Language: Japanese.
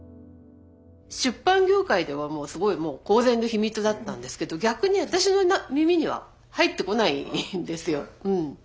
出版業界ではすごいもう公然の秘密だったんですけど逆に私の耳には入ってこないんですよ。